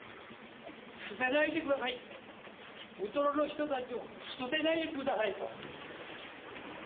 捨てないでください、ウトロの人たちを捨てないでくださいと。